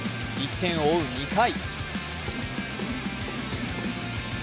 １点を追う２回。